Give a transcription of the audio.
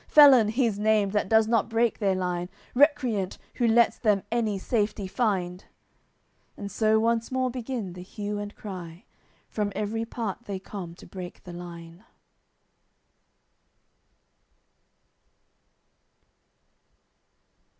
Felon he's named that does not break their line, Recreant, who lets them any safety find!" And so once more begin the hue and cry, From every part they come to break the line.